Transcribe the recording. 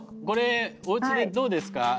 これおうちでどうですか？